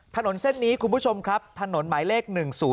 ถนนเส้นนี้คุณผู้ชมครับถนนหมายเลข๑๐๔